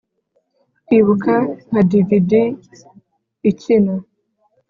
kwibuka nka dvd ikina,